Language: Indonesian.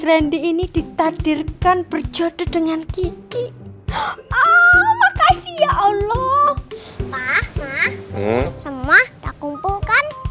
kandi ini ditadirkan berjodoh dengan kiki makasih ya allah semua kumpulkan